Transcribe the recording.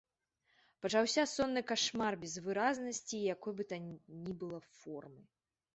Пачаўся сонны кашмар, без выразнасці і якой бы там ні было формы.